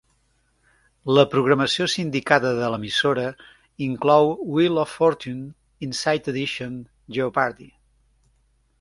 La programació sindicada de l"emissora inclou "Wheel of Fortune", "Inside Edition", "Jeopardy!